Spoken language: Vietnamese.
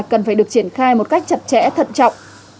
cần phải được triển khai một cách chặt chẽ thận trọng